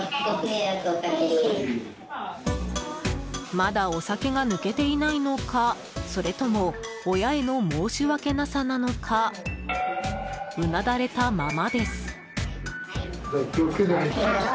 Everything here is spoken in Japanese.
まだお酒が抜けていないのかそれとも親への申し訳なさなのかうなだれたままです。